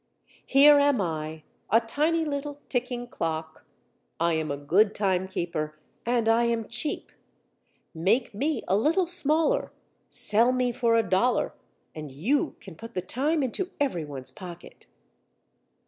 Here am I, a tiny little ticking clock; I am a good timekeeper and I am cheap. Make me a little smaller, sell me for a dollar, and you can put the time into everyone's pocket."